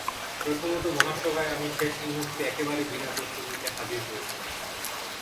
প্রথমত মহাসভায় আমি শেষ মুহূর্তে একেবারে বিনা প্রস্তুতিতে হাজির হয়েছিলাম।